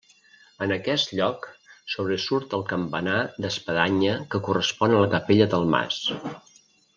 En aquest lloc sobresurt el campanar d'espadanya que correspon a la capella del mas.